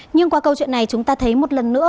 nhưng qua câu chuyện này chúng ta thấy một lần nữa